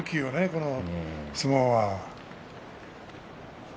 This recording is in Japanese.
この相撲は。